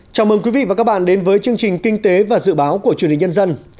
chào mừng quý vị và các bạn đến với chương trình kinh tế và dự báo của truyền hình nhân dân